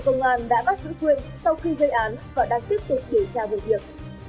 công an đã bắt giữ quyền sau khi gây án và đang tiếp tục kiểm tra dự việc